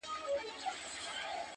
• ته مجرم یې ګناکاره یې هر چاته..